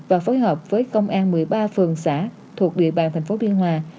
và phối hợp với công an một mươi ba phường xã thuộc địa bàn thành phố biên hòa